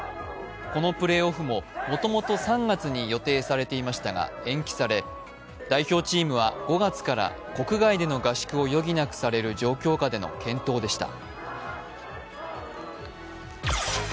このプレーオフも、もともと３月に予定されていましたが、延期され、代表チームは５月から国外での合宿を余儀なくされる状況下での健闘でした。